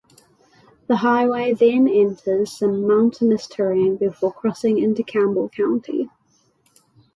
The highway then enters some mountainous terrain before crossing into Campbell County.